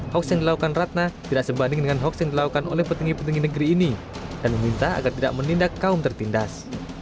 hoax yang dilakukan ratna tidak sebanding dengan hoax yang dilakukan oleh petinggi petinggi negeri ini dan meminta agar tidak menindak kaum tertindas